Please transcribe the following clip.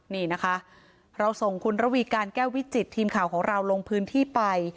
นี่นะคะเราส่งคุณระวีการแก้ววิจิตทีมข่าวของเราลงพื้นที่ไป